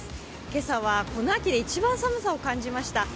今朝はこの秋で一番寒さを感じました。